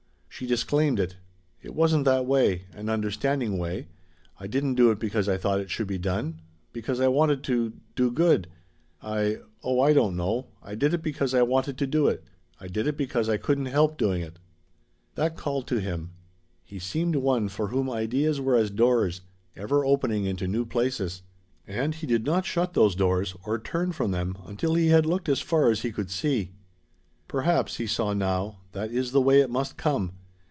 She disclaimed it. "It wasn't that way an understanding way. I didn't do it because I thought it should be done; because I wanted to do good. I oh, I don't know. I did it because I wanted to do it. I did it because I couldn't help doing it." That called to him. He seemed one for whom ideas were as doors, ever opening into new places. And he did not shut those doors, or turn from them, until he had looked as far as he could see. "Perhaps," he saw now, "that is the way it must come.